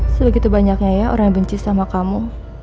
sebegitu banyaknya ya orang yang benci sama kamu